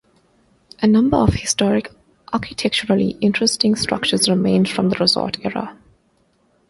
A number of historic, architecturally interesting structures remain from the resort era.